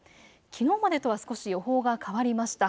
きのうまでとは少し予報が変わりました。